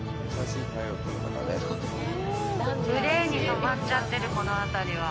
グレーに染まっちゃってるこの辺りは。